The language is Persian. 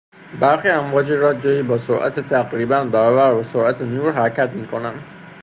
برخی امواج رادیویی با سرعت تقریبا برابر با سرعت نور حرکت میکنند.